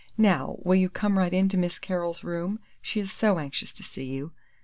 Now, will you come right in to Miss Carol's room, she is so anxious to see you?"